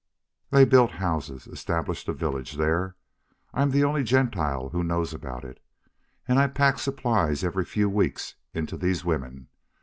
They built houses, established a village there. I'm the only Gentile who knows about it. And I pack supplies every few weeks in to these women.